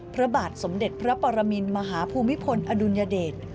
พระบาทสมเด็จพระปรมินมหาภูมิพลอดุลยเดช